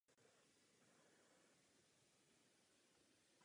Vysokého věku se však nedožil.